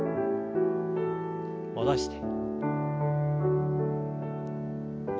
戻して。